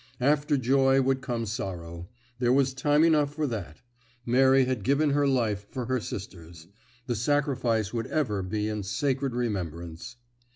After joy would come sorrow; there was time enough for that. Mary had given her life for her sister's; the sacrifice would ever be held in sacred remembrance.